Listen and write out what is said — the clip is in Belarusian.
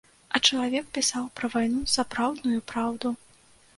А чалавек пісаў пра вайну сапраўдную праўду.